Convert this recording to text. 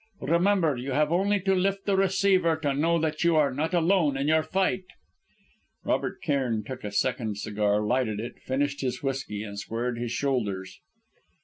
Remember, you have only to lift the receiver to know that you are not alone in your fight." Robert Cairn took a second cigar, lighted it, finished his whisky, and squared his shoulders.